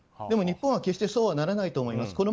でも日本は決してそうはならないと思います。